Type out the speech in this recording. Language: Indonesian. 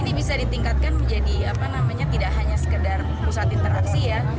ini bisa ditingkatkan menjadi apa namanya tidak hanya sekedar pusat interaksi ya